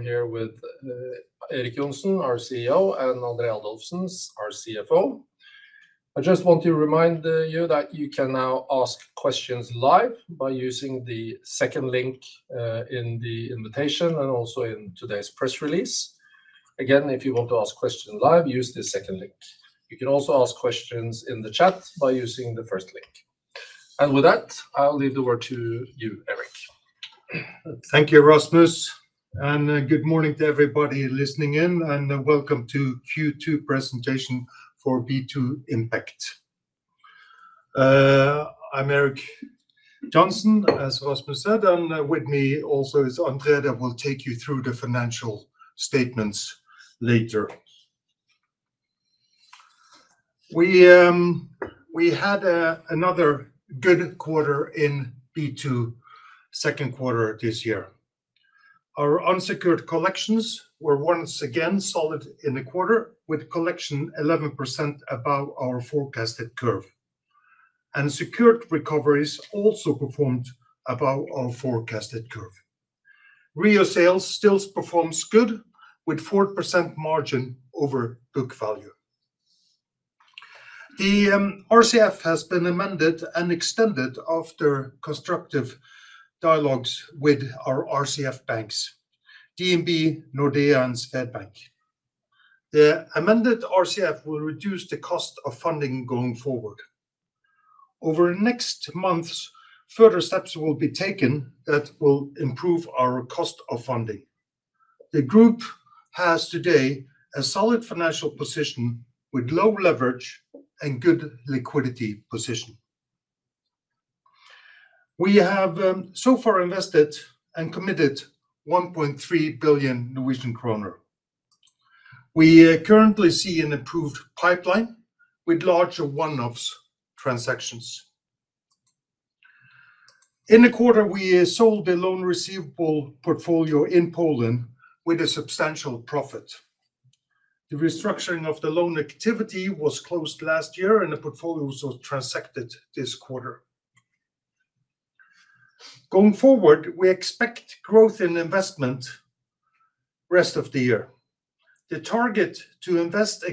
I'm here with Erik Johnsen, our CEO, and André Adolfsen, our CFO. I just want to remind you that you can now ask questions live by using the second link in the invitation, and also in today's press release. Again, if you want to ask questions live, use the second link. You can also ask questions in the chat by using the first link. And with that, I'll leave the word to you, Erik. Thank you, Rasmus, and good morning to everybody listening in, and welcome to Q2 presentation for B2 Impact. I'm Erik Johnsen, as Rasmus said, and with me also is André, that will take you through the financial statements later. We had another good quarter in B2 second quarter this year. Our unsecured collections were once again solid in the quarter, with collection 11% above our forecasted curve. And secured recoveries also performed above our forecasted curve. REO sales still performs good, with 4% margin over book value. The RCF has been amended and extended after constructive dialogues with our RCF banks: DNB, Nordea, and Swedbank. The amended RCF will reduce the cost of funding going forward. Over the next months, further steps will be taken that will improve our cost of funding. The group has today a solid financial position, with low leverage and good liquidity position. We have so far invested and committed 1.3 billion Norwegian kroner. We currently see an improved pipeline, with larger one-offs transactions. In the quarter, we sold the loan receivable portfolio in Poland, with a substantial profit. The restructuring of the loan activity was closed last year, and the portfolio was transacted this quarter. Going forward, we expect growth in investment rest of the year. The target to invest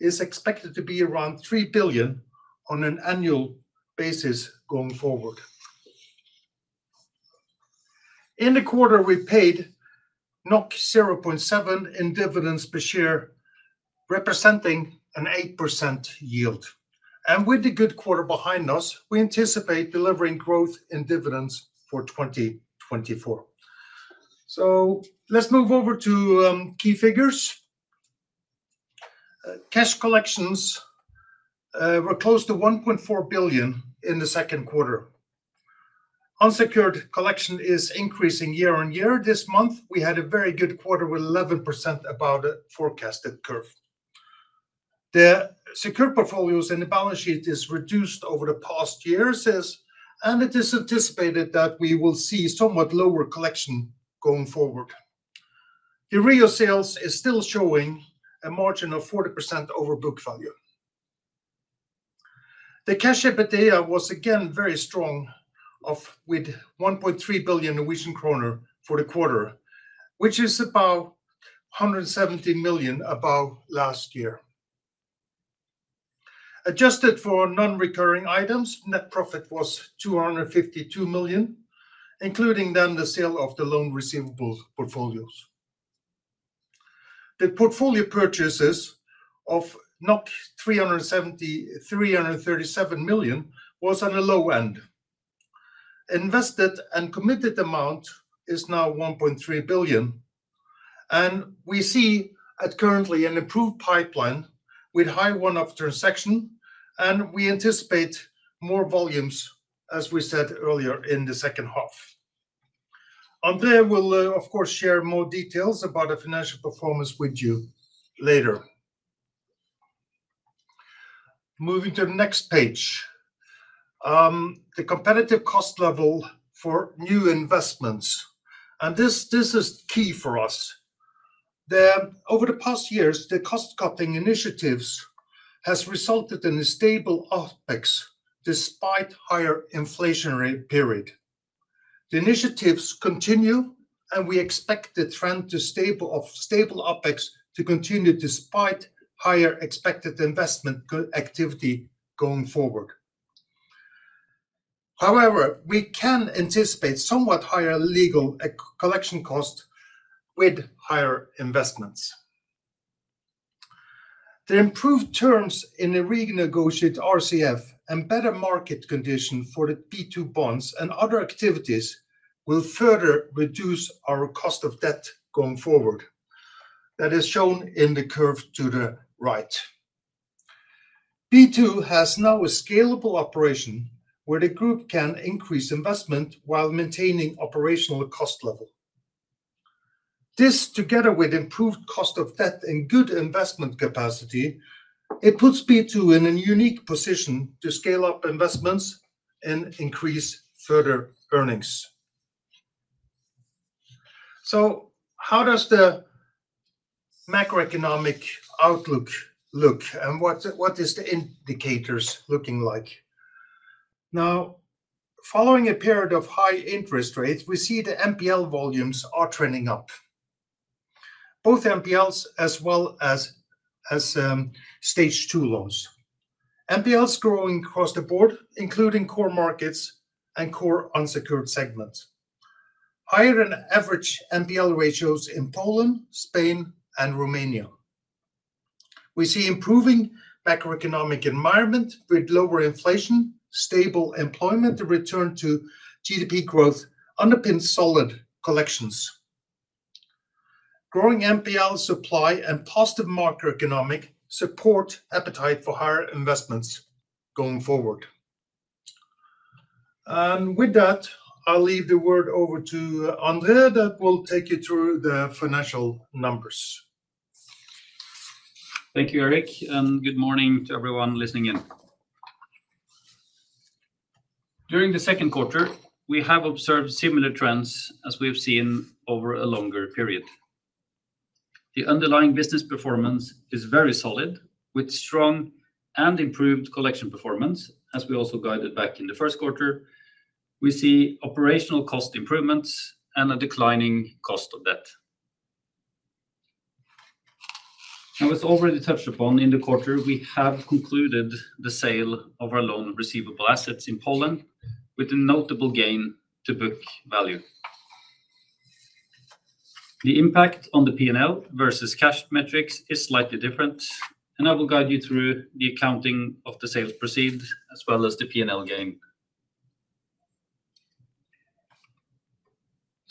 is expected to be around 3 billion on an annual basis going forward. In the quarter, we paid 0.7 in dividends per share, representing an 8% yield. And with the good quarter behind us, we anticipate delivering growth in dividends for 2024. So let's move over to key figures. Cash collections were close to 1.4 billion in the second quarter. Unsecured collection is increasing year on year. This month, we had a very good quarter, with 11% above the forecasted curve. The secured portfolios and the balance sheet is reduced over the past years, as it is anticipated that we will see somewhat lower collection going forward. The REO sales is still showing a margin of 40% over book value. The cash EBITDA was again very strong with 1.3 billion Norwegian kroner for the quarter, which is about 170 million above last year. Adjusted for non-recurring items, net profit was 252 million, including then the sale of the loan receivables portfolios. The portfolio purchases of 370-337 million was on the low end. Invested and committed amount is now 1.3 billion, and we see at currently an improved pipeline, with high one-off transaction, and we anticipate more volumes, as we said earlier, in the second half. André will, of course, share more details about the financial performance with you later. Moving to the next page. The competitive cost level for new investments, and this is key for us. Over the past years, the cost-cutting initiatives has resulted in a stable OpEx, despite higher inflationary period. The initiatives continue, and we expect the trend of stable OpEx to continue, despite higher expected investment activity going forward. However, we can anticipate somewhat higher legal collection cost with higher investments. The improved terms in the renegotiated RCF and better market condition for the B2 bonds and other activities will further reduce our cost of debt going forward. That is shown in the curve to the right. B2 has now a scalable operation, where the group can increase investment while maintaining operational cost level. This, together with improved cost of debt and good investment capacity, it puts B2 in a unique position to scale up investments and increase further earnings. So how does the macroeconomic outlook look, and what is the indicators looking like? Now, following a period of high interest rates, we see the NPL volumes are trending up. Both NPLs as well as Stage 2 loans. NPLs growing across the board, including core markets and core unsecured segments. Higher than average NPL ratios in Poland, Spain, and Romania. We see improving macroeconomic environment with lower inflation, stable employment, a return to GDP growth underpin solid collections. Growing NPL supply and positive macroeconomic support appetite for higher investments going forward. And with that, I'll leave the word over to André, that will take you through the financial numbers. Thank you, Erik, and good morning to everyone listening in. During the second quarter, we have observed similar trends as we have seen over a longer period. The underlying business performance is very solid, with strong and improved collection performance, as we also guided back in the first quarter. We see operational cost improvements and a declining cost of debt. Now, as already touched upon in the quarter, we have concluded the sale of our loan receivable assets in Poland with a notable gain to book value. The impact on the P&L versus cash metrics is slightly different, and I will guide you through the accounting of the sales proceeds, as well as the P&L gain.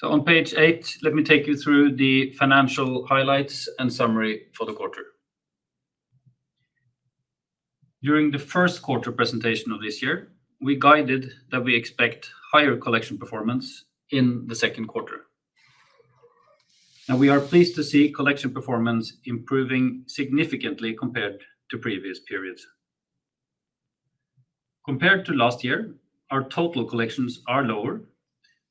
On page eight, let me take you through the financial highlights and summary for the quarter. During the first quarter presentation of this year, we guided that we expect higher collection performance in the second quarter. Now, we are pleased to see collection performance improving significantly compared to previous periods. Compared to last year, our total collections are lower,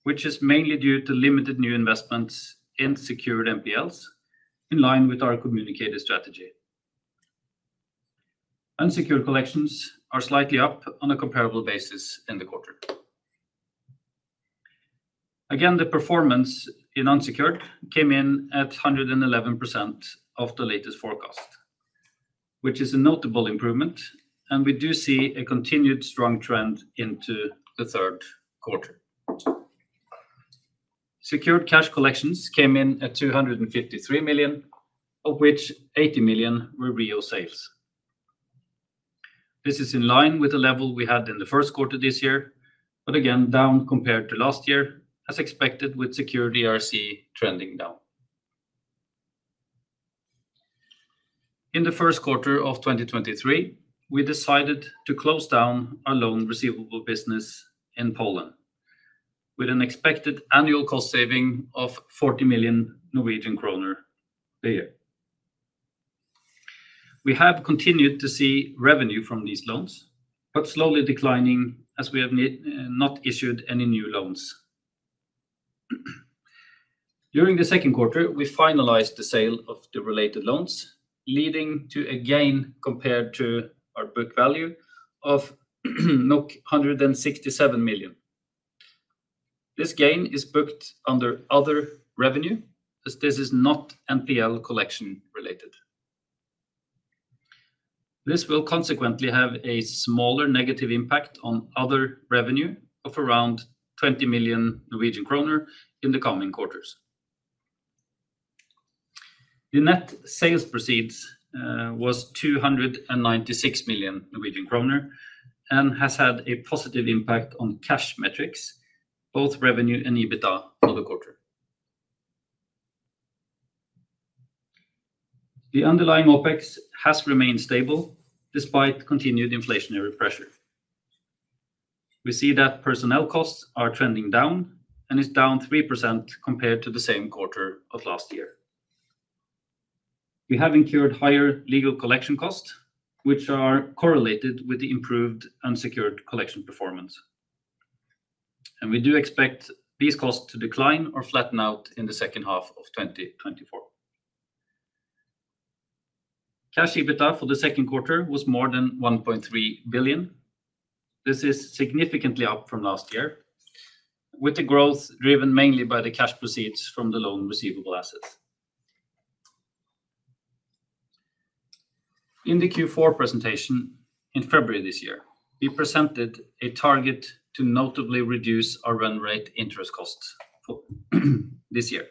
which is mainly due to limited new investments in secured NPLs, in line with our communicated strategy. Unsecured collections are slightly up on a comparable basis in the quarter. Again, the performance in unsecured came in at 111% of the latest forecast, which is a notable improvement, and we do see a continued strong trend into the third quarter. Secured cash collections came in at 253 million, of which 80 million were REO sales. This is in line with the level we had in the first quarter this year, but again, down compared to last year, as expected, with secured ERC trending down. In the first quarter of 2023, we decided to close down our loan receivable business in Poland with an expected annual cost saving of 40 million Norwegian kroner a year. We have continued to see revenue from these loans, but slowly declining as we have not issued any new loans. During the second quarter, we finalized the sale of the related loans, leading to a gain compared to our book value of 167 million. This gain is booked under other revenue as this is not NPL collection related. This will consequently have a smaller negative impact on other revenue of around 20 million Norwegian kroner in the coming quarters. The net sales proceeds was 296 million Norwegian kroner and has had a positive impact on cash metrics, both revenue and EBITDA for the quarter. The underlying OpEx has remained stable despite continued inflationary pressure. We see that personnel costs are trending down and is down 3% compared to the same quarter of last year. We have incurred higher legal collection costs, which are correlated with the improved unsecured collection performance, and we do expect these costs to decline or flatten out in the second half of 2024. Cash EBITDA for the second quarter was more than 1.3 billion. This is significantly up from last year, with the growth driven mainly by the cash proceeds from the loan receivable assets. In the Q4 presentation in February this year, we presented a target to notably reduce our run rate interest costs for this year.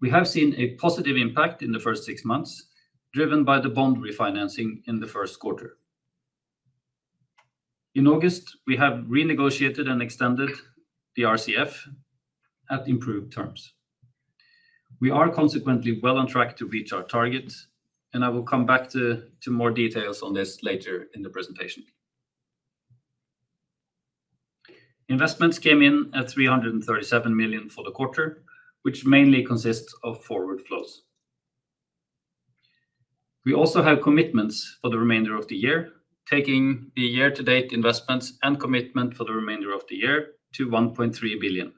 We have seen a positive impact in the first six months, driven by the bond refinancing in the first quarter. In August, we have renegotiated and extended the RCF at improved terms. We are consequently well on track to reach our target, and I will come back to more details on this later in the presentation. Investments came in at 337 million for the quarter, which mainly consists of forward flows.... We also have commitments for the remainder of the year, taking the year-to-date investments and commitment for the remainder of the year to 1.3 billion.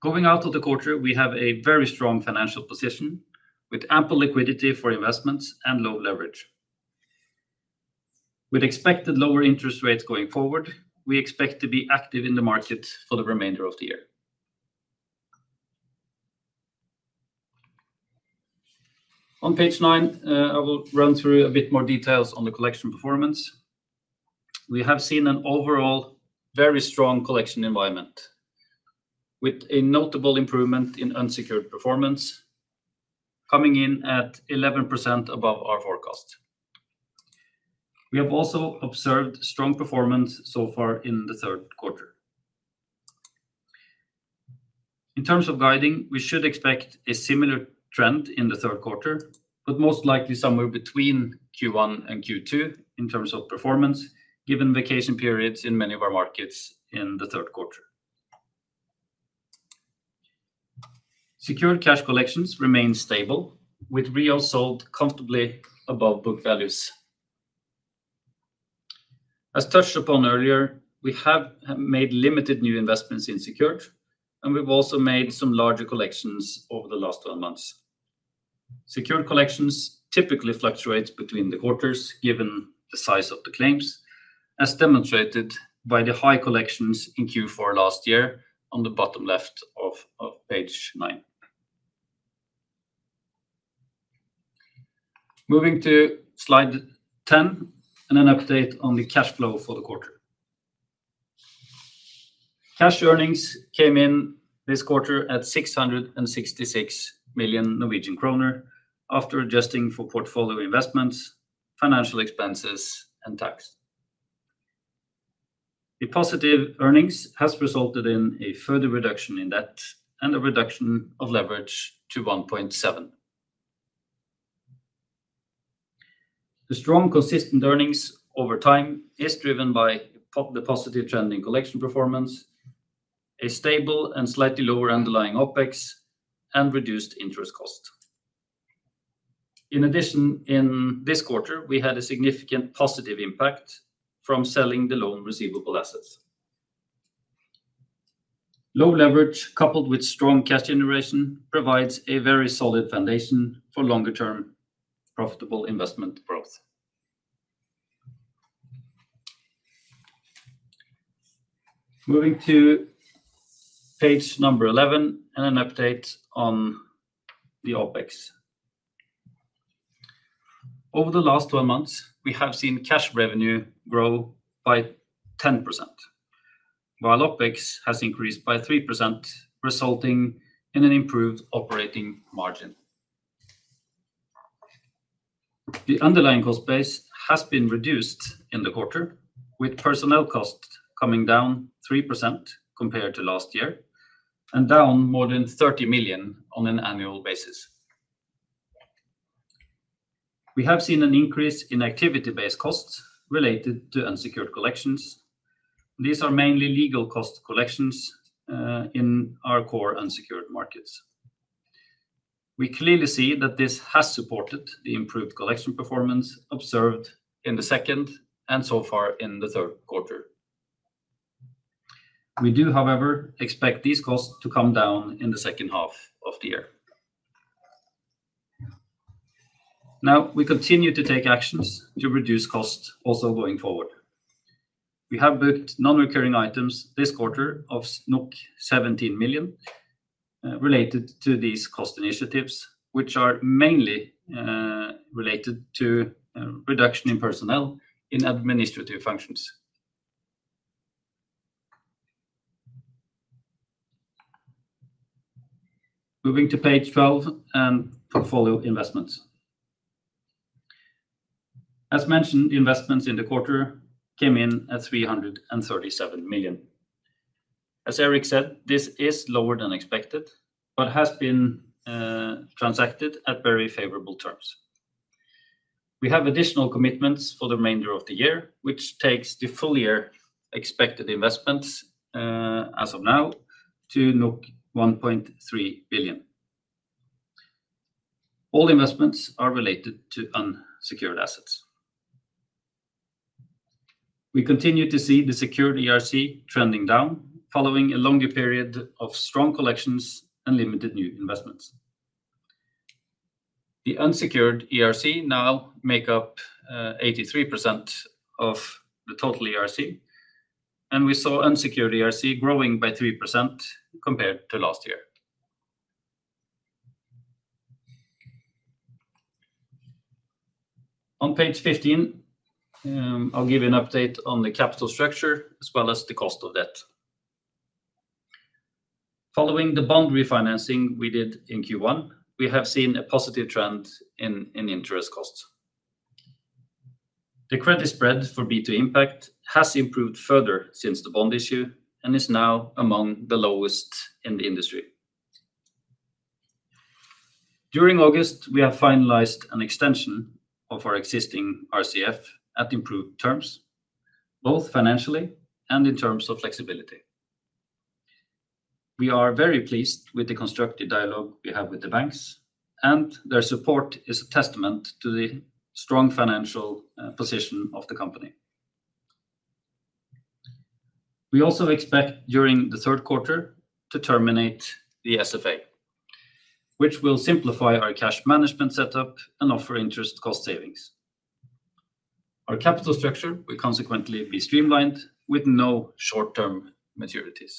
Going out of the quarter, we have a very strong financial position, with ample liquidity for investments and low leverage. With expected lower interest rates going forward, we expect to be active in the market for the remainder of the year. On page nine, I will run through a bit more details on the collection performance. We have seen an overall very strong collection environment, with a notable improvement in unsecured performance, coming in at 11% above our forecast. We have also observed strong performance so far in the third quarter. In terms of guiding, we should expect a similar trend in the third quarter, but most likely somewhere between Q1 and Q2 in terms of performance, given vacation periods in many of our markets in the third quarter. Secured cash collections remain stable, with REO sold comfortably above book values. As touched upon earlier, we have made limited new investments in secured, and we've also made some larger collections over the last twelve months. Secured collections typically fluctuate between the quarters, given the size of the claims, as demonstrated by the high collections in Q4 last year on the bottom left of page nine. Moving to slide ten, and an update on the cash flow for the quarter. Cash earnings came in this quarter at 666 million Norwegian kroner, after adjusting for portfolio investments, financial expenses, and tax. The positive earnings has resulted in a further reduction in debt and a reduction of leverage to 1.7. The strong, consistent earnings over time is driven by the positive trend in collection performance, a stable and slightly lower underlying OpEx, and reduced interest cost. In addition, in this quarter, we had a significant positive impact from selling the loan receivable assets. Low leverage, coupled with strong cash generation, provides a very solid foundation for longer term profitable investment growth. Moving to page number 11, and an update on the OpEx. Over the last 12 months, we have seen cash revenue grow by 10%, while OpEx has increased by 3%, resulting in an improved operating margin. The underlying cost base has been reduced in the quarter, with personnel costs coming down 3% compared to last year, and down more than 30 million on an annual basis. We have seen an increase in activity-based costs related to unsecured collections. These are mainly legal cost collections in our core unsecured markets. We clearly see that this has supported the improved collection performance observed in the second, and so far in the third quarter. We do, however, expect these costs to come down in the second half of the year. Now, we continue to take actions to reduce costs also going forward. We have booked non-recurring items this quarter of 17 million related to these cost initiatives, which are mainly related to reduction in personnel in administrative functions. Moving to page 12 and portfolio investments. As mentioned, investments in the quarter came in at 337 million. As Erik said, this is lower than expected, but has been transacted at very favorable terms. We have additional commitments for the remainder of the year, which takes the full year expected investments as of now to 1.3 billion. All investments are related to unsecured assets. We continue to see the secured ERC trending down, following a longer period of strong collections and limited new investments. The unsecured ERC now make up 83% of the total ERC, and we saw unsecured ERC growing by 3% compared to last year. On page 15, I'll give you an update on the capital structure as well as the cost of debt. Following the bond refinancing we did in Q1, we have seen a positive trend in interest costs. The credit spread for B2 Impact has improved further since the bond issue and is now among the lowest in the industry. During August, we have finalized an extension of our existing RCF at improved terms, both financially and in terms of flexibility... We are very pleased with the constructive dialogue we have with the banks, and their support is a testament to the strong financial position of the company. We also expect, during the third quarter, to terminate the SFA, which will simplify our cash management setup and offer interest cost savings. Our capital structure will consequently be streamlined with no short-term maturities.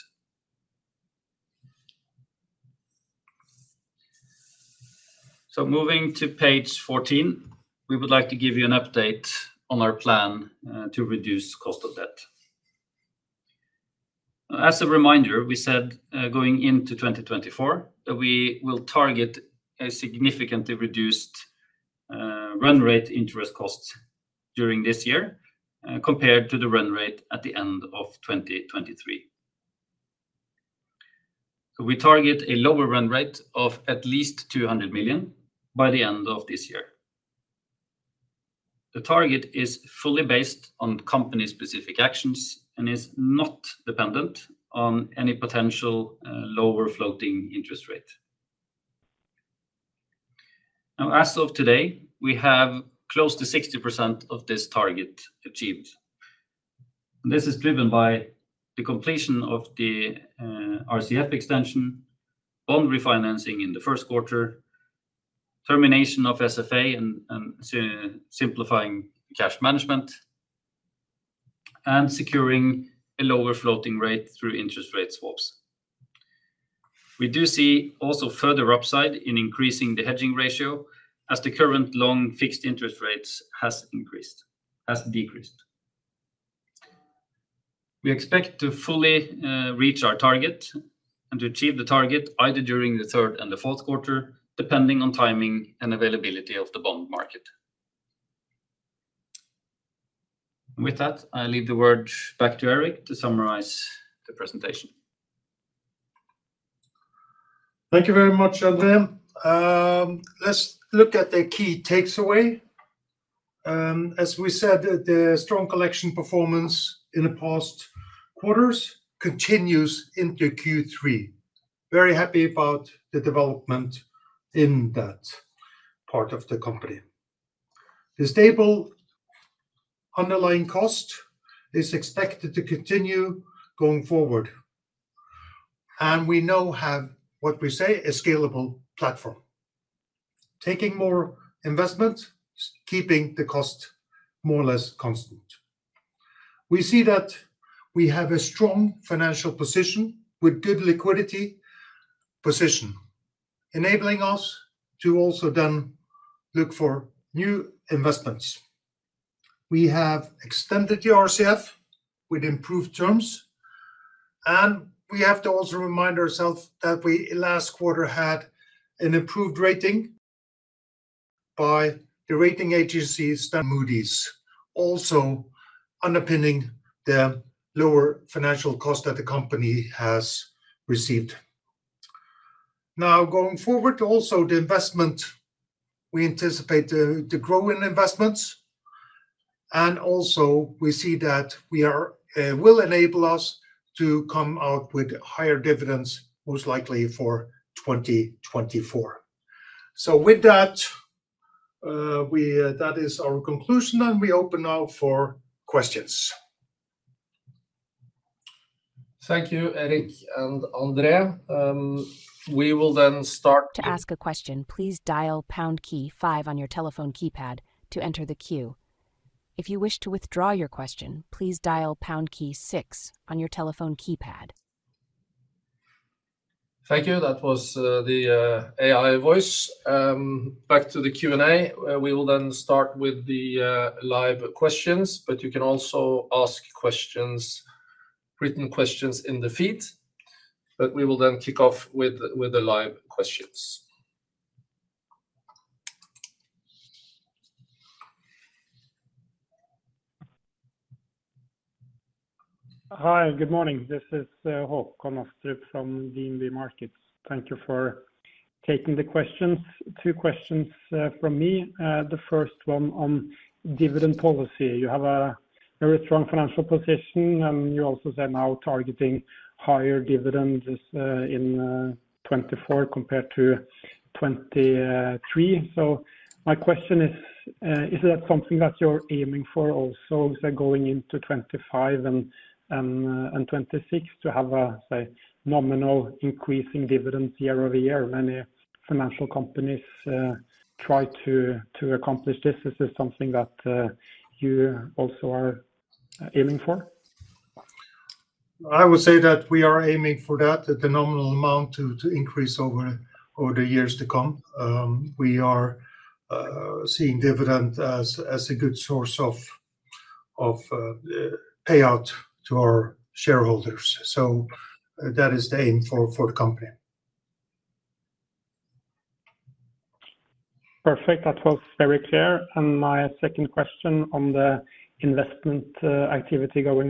Moving to page 14, we would like to give you an update on our plan to reduce cost of debt. As a reminder, we said going into 2024, that we will target a significantly reduced run rate interest cost during this year compared to the run rate at the end of 2023. We target a lower run rate of at least 200 million by the end of this year. The target is fully based on company-specific actions and is not dependent on any potential lower floating interest rate. Now, as of today, we have close to 60% of this target achieved. This is driven by the completion of the RCF extension, bond refinancing in the first quarter, termination of SFA and simplifying cash management, and securing a lower floating rate through interest rate swaps. We do see also further upside in increasing the hedging ratio, as the current long fixed interest rates has decreased. We expect to fully reach our target and to achieve the target either during the third and the fourth quarter, depending on timing and availability of the bond market. With that, I leave the word back to Eric to summarize the presentation. Thank you very much, André. Let's look at the key takeaway. As we said, the strong collection performance in the past quarters continues into Q3. Very happy about the development in that part of the company. The stable underlying cost is expected to continue going forward, and we now have, what we say, a scalable platform, taking more investment, keeping the cost more or less constant. We see that we have a strong financial position with good liquidity position, enabling us to also then look for new investments. We have extended the RCF with improved terms, and we have to also remind ourselves that we, last quarter, had an improved rating by the rating agencies, that Moody's also underpinning the lower financial cost that the company has received. Now, going forward, also the investment, we anticipate the growing investments, and also we see that we are will enable us to come out with higher dividends, most likely for twenty twenty-four. That is our conclusion, and we open now for questions. Thank you, Erik and André. We will then start to- To ask a question, please dial pound key five on your telephone keypad to enter the queue. If you wish to withdraw your question, please dial pound key six on your telephone keypad. Thank you. That was the AI voice. Back to the Q&A. We will then start with the live questions, but you can also ask questions, written questions in the feed. But we will then kick off with the live questions. Hi, good morning. This is Håkon Østrup from DNB Markets. Thank you for taking the questions. Two questions from me. The first one on dividend policy. You have a very strong financial position, and you also said now targeting higher dividends in 2024 compared to 2023. So my question is, is that something that you're aiming for also, say, going into 2025 and 2026, to have a say nominal increase in dividends year over year? Many financial companies try to accomplish this. Is this something that you also are aiming for? I would say that we are aiming for that, the nominal amount to increase over the years to come. We are seeing dividend as a good source of payout to our shareholders, so that is the aim for the company. Perfect. That was very clear. And my second question on the investment activity going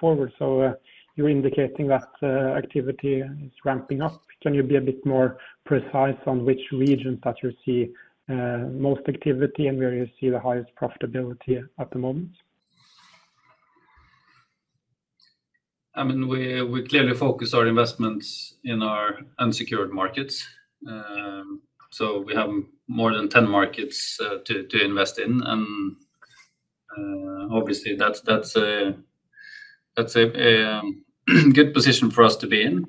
forward. So, you're indicating that activity is ramping up. Can you be a bit more precise on which regions that you see most activity and where you see the highest profitability at the moment? ... I mean, we clearly focus our investments in our unsecured markets, so we have more than 10 markets to invest in, and obviously, that's a good position for us to be in,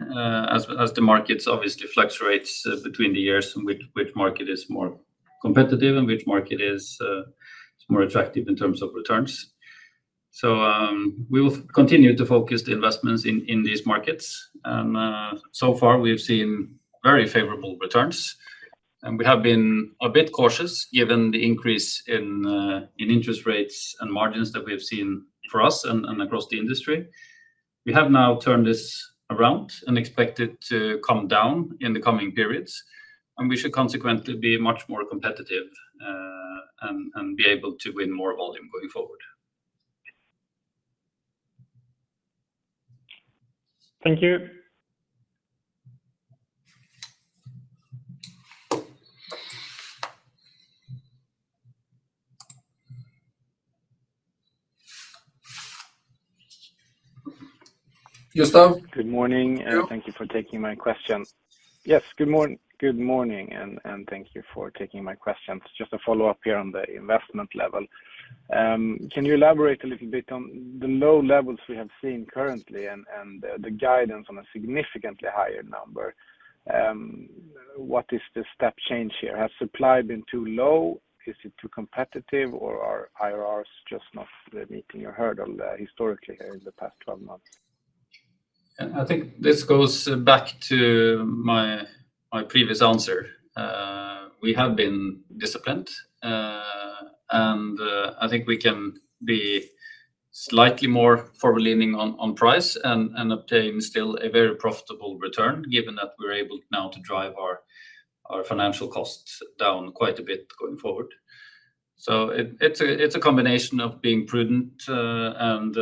as the markets obviously fluctuates between the years and which market is more competitive and which market is more attractive in terms of returns, so we will continue to focus the investments in these markets, and so far we have seen very favorable returns, and we have been a bit cautious given the increase in interest rates and margins that we have seen for us and across the industry. We have now turned this around and expect it to come down in the coming periods, and we should consequently be much more competitive, and be able to win more volume going forward. Thank you. Gustav? Good morning, and thank you for taking my question. Good morning, and thank you for taking my questions. Just a follow-up here on the investment level. Can you elaborate a little bit on the low levels we have seen currently and the guidance on a significantly higher number? What is the step change here? Has supply been too low? Is it too competitive, or are IRRs just not meeting your hurdle historically in the past twelve months? I think this goes back to my previous answer. We have been disciplined, and I think we can be slightly more forward-leaning on price and obtain still a very profitable return, given that we're able now to drive our financial costs down quite a bit going forward. It's a combination of being prudent, and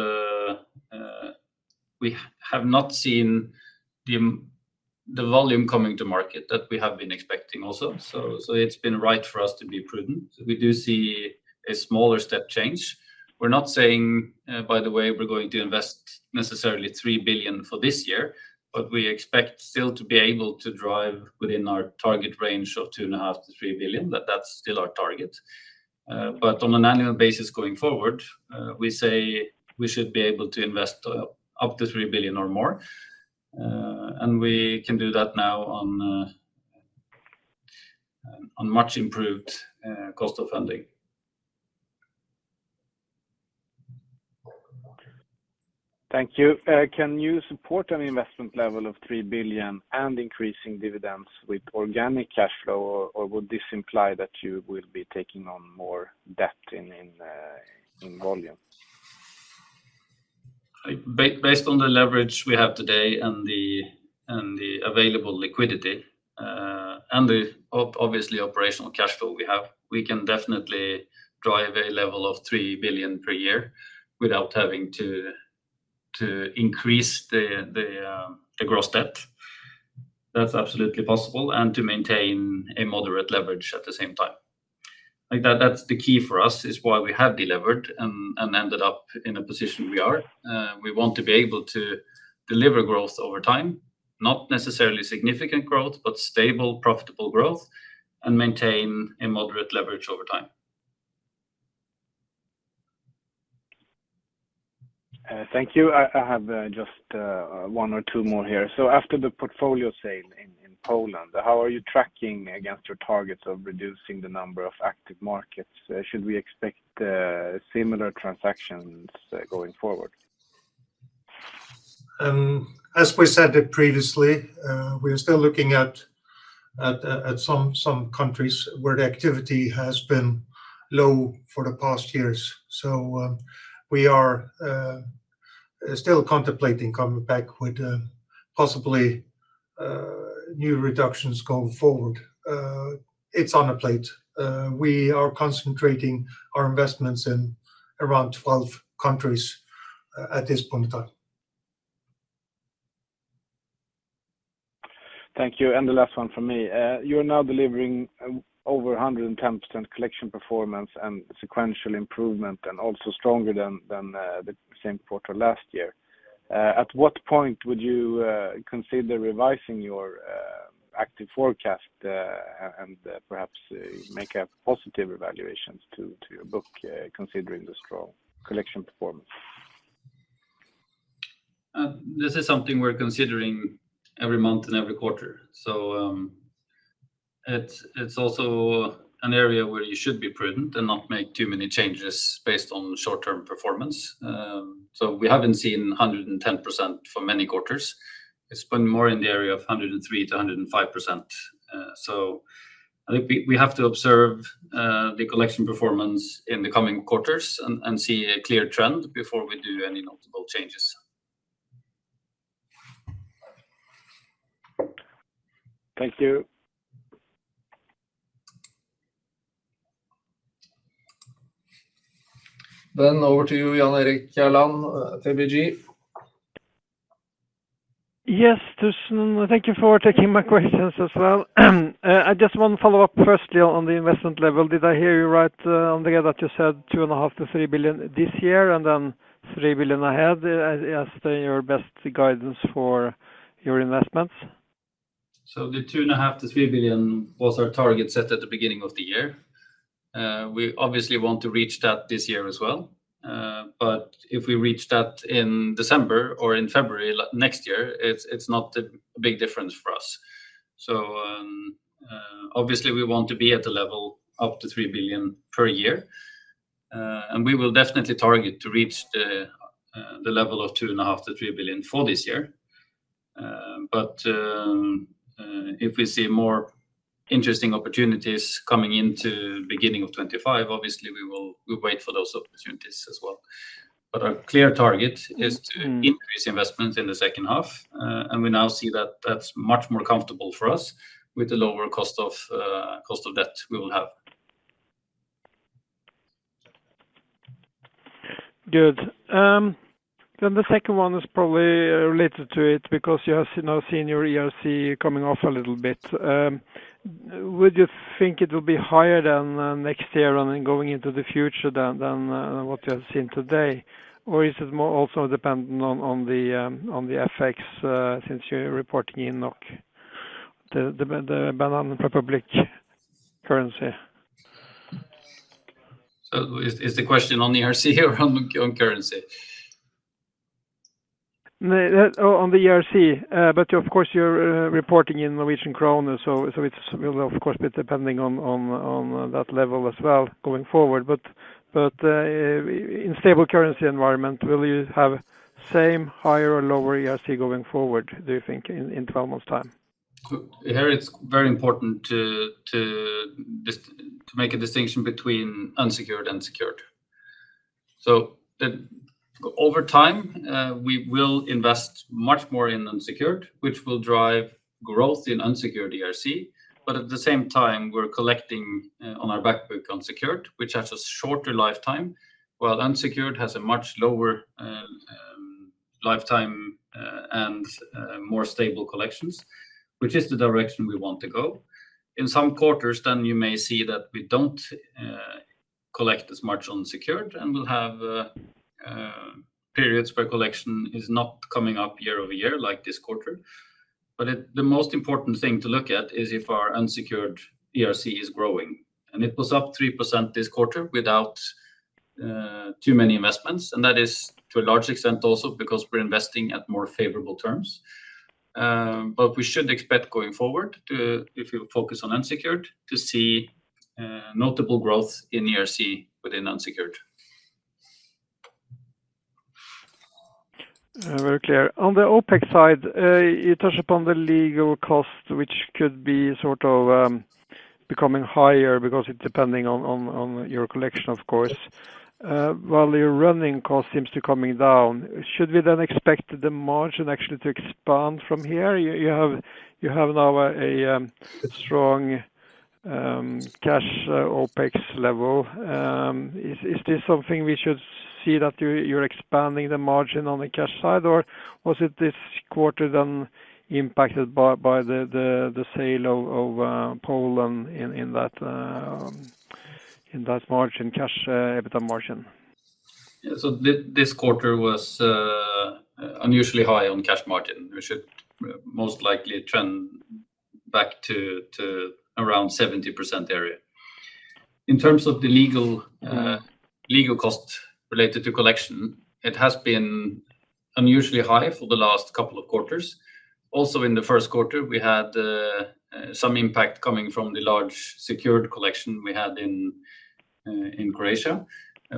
we have not seen the volume coming to market that we have been expecting also. It's been right for us to be prudent. We do see a smaller step change. We're not saying, by the way, we're going to invest necessarily 3 billion for this year, but we expect still to be able to drive within our target range of 2.5 billion-3 billion. That's still our target. But on an annual basis going forward, we say we should be able to invest up to three billion or more, and we can do that now on much improved cost of funding. Thank you. Can you support an investment level of three billion and increasing dividends with organic cash flow, or, or would this imply that you will be taking on more debt in volume? Based on the leverage we have today and the available liquidity and obviously operational cash flow we have, we can definitely drive a level of 3 billion per year without having to increase the gross debt. That's absolutely possible, and to maintain a moderate leverage at the same time. Like, that's the key for us, is why we have delivered and ended up in a position we are. We want to be able to deliver growth over time, not necessarily significant growth, but stable, profitable growth, and maintain a moderate leverage over time. Thank you. I have just one or two more here. So after the portfolio sale in Poland, how are you tracking against your targets of reducing the number of active markets? Should we expect similar transactions going forward? As we said it previously, we are still looking at some countries where the activity has been low for the past years. So, we are still contemplating coming back with possibly new reductions going forward. It's on a plate. We are concentrating our investments in around 12 countries at this point in time. Thank you, and the last one from me. You're now delivering over 110% collection performance and sequential improvement and also stronger than the same quarter last year. At what point would you consider revising your active forecast and perhaps make a positive evaluations to your book considering the strong collection performance? This is something we're considering every month and every quarter. So, it's also an area where you should be prudent and not make too many changes based on short-term performance. So we haven't seen 110% for many quarters. It's been more in the area of 103%-105%. So I think we have to observe the collection performance in the coming quarters and see a clear trend before we do any notable changes. Thank you. Then over to you, Jan Erik Gjerland, ABG.... Yes, Tusen, thank you for taking my questions as well. I just want to follow up firstly on the investment level. Did I hear you right, on the guide that you said 2.5-3 billion this year, and then 3 billion ahead, as your best guidance for your investments? So the 2.5-3 billion was our target set at the beginning of the year. We obviously want to reach that this year as well, but if we reach that in December or in February, like, next year, it's not a big difference for us. So, obviously, we want to be at the level up to 3 billion per year. And we will definitely target to reach the level of 2.5-3 billion for this year. But, if we see more interesting opportunities coming into beginning of 2025, obviously we'll wait for those opportunities as well. But our clear target is to increase investment in the second half, and we now see that that's much more comfortable for us with the lower cost of debt we will have. Good. Then the second one is probably related to it, because you have, you know, seen your ERC coming off a little bit. Would you think it will be higher than next year and then going into the future than what you have seen today? Or is it more also dependent on the FX, since you're reporting in NOK, the public currency? Is the question on ERC or on currency? On the ERC, but of course, you're reporting in Norwegian kroner, so it's will of course be depending on that level as well going forward. But in stable currency environment, will you have same, higher or lower ERC going forward, do you think, in 12 months' time? So here, it's very important to make a distinction between unsecured and secured. Over time, we will invest much more in unsecured, which will drive growth in unsecured ERC, but at the same time, we're collecting on our backbook on secured, which has a shorter lifetime, while unsecured has a much lower lifetime and more stable collections, which is the direction we want to go. In some quarters, then you may see that we don't collect as much on secured, and we'll have periods where collection is not coming up year over year, like this quarter. But it, the most important thing to look at is if our unsecured ERC is growing, and it was up 3% this quarter without too many investments, and that is to a large extent also because we're investing at more favorable terms, but we should expect going forward, if you focus on unsecured, to see notable growth in ERC within unsecured. Very clear. On the OpEx side, you touch upon the legal cost, which could be sort of becoming higher because it's depending on your collection, of course. While your running cost seems to coming down, should we then expect the margin actually to expand from here? You have now a strong cash OpEx level. Is this something we should see that you're expanding the margin on the cash side, or was it this quarter then impacted by the sale of Poland in that margin, cash EBITDA margin? Yeah, so this quarter was unusually high on cash margin. We should most likely trend back to around 70% area. In terms of the legal cost related to collection, it has been unusually high for the last couple of quarters. Also, in the first quarter, we had some impact coming from the large secured collection we had in Croatia,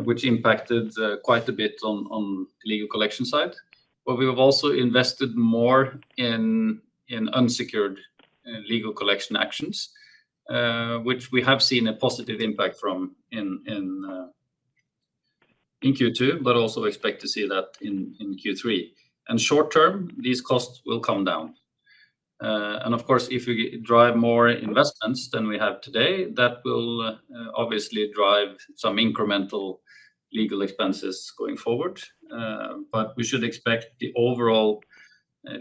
which impacted quite a bit on the legal collection side, but we have also invested more in unsecured legal collection actions, which we have seen a positive impact from in Q2, but also expect to see that in Q3, and short term, these costs will come down, and of course, if we drive more investments than we have today, that will obviously drive some incremental legal expenses going forward. But we should expect the overall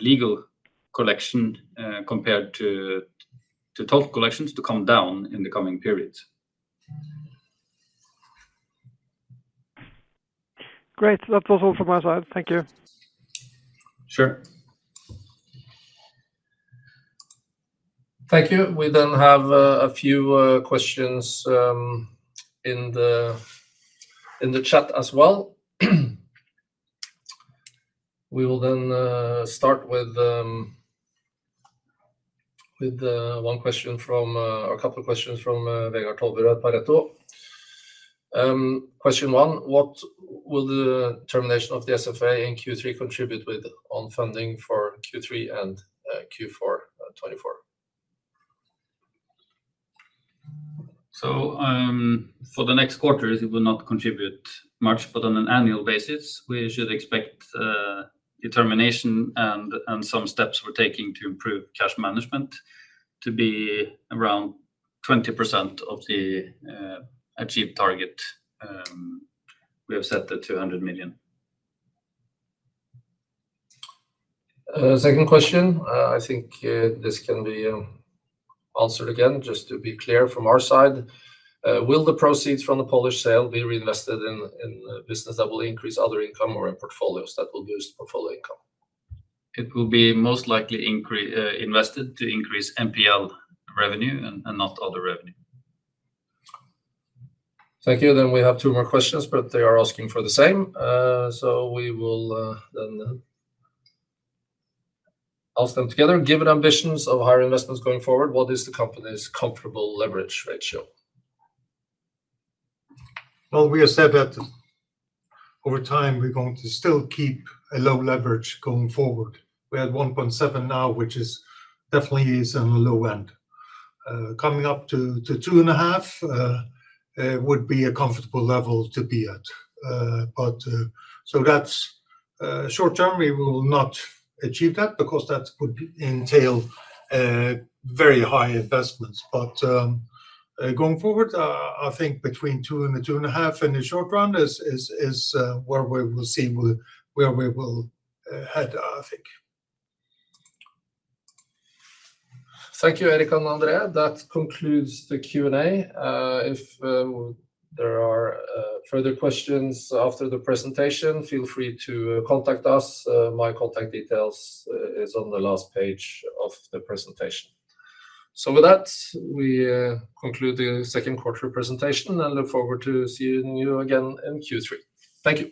legal collection compared to total collections to come down in the coming periods. Great. That's all from my side. Thank you. Sure. Thank you. We then have a few questions in the chat as well. We will then start with one question from or a couple of questions from Vegard Tellefsen, Pareto. Question one: What will the termination of the SFA in Q3 contribute with on funding for Q3 and Q4 2024? For the next quarters, it will not contribute much, but on an annual basis, we should expect the termination and some steps we're taking to improve cash management to be around 20% of the achieved target we have set at NOK 200 million. Second question, I think this can be answered again, just to be clear from our side. Will the proceeds from the Polish sale be reinvested in a business that will increase other income or in portfolios that will boost portfolio income? It will be most likely invested to increase NPL revenue and not other revenue. Thank you. Then we have two more questions, but they are asking for the same, so we will then ask them together. Given ambitions of higher investments going forward, what is the company's comfortable leverage ratio? We have said that over time, we're going to still keep a low leverage going forward. We're at 1.7 now, which definitely is on the low end. Coming up to 2.5 would be a comfortable level to be at. But so that's short term, we will not achieve that because that would entail very high investments. But going forward, I think between 2 and 2.5 in the short run is where we will head, I think. Thank you, Erik and André. That concludes the Q&A. If there are further questions after the presentation, feel free to contact us. My contact details is on the last page of the presentation. So with that, we conclude the second quarter presentation and look forward to seeing you again in Q3. Thank you.